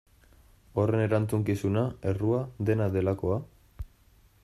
Horren erantzukizuna, errua, dena delakoa?